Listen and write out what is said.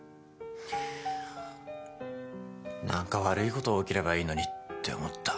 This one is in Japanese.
何か悪いこと起きればいいのにって思った。